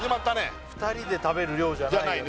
２人で食べる量じゃないよねじゃないね